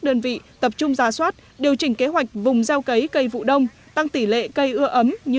đơn vị tập trung ra soát điều chỉnh kế hoạch vùng gieo cấy cây vụ đông tăng tỷ lệ cây ưa ấm như